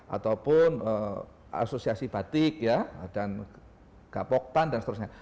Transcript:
ataupun asosiasi batik ya dan gapoktan dan seterusnya